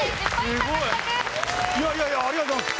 いやいやいやありがとうございます。